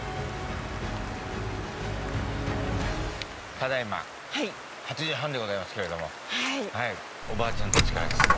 ただいま８時半でございますけれどもはいおばあちゃんたちからですね